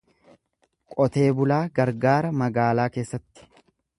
Qotee bulaa gargaara magaalaa keessatti.